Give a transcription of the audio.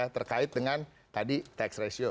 terkait dengan tadi tax ratio